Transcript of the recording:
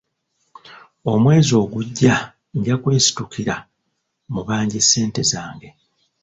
Omwezi ogujja nja kwesitukira mubanje ssente zange.